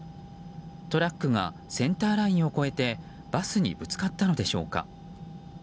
トラックがセンターラインを越えてバスにぶつかったのでしょうか。